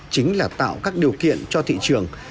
chính là tạo các điều kiện cho thị trường